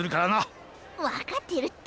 わかってるって。